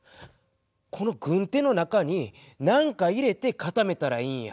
この軍手の中に何か入れて固めたらいいんや。